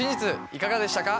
いかがでしたか？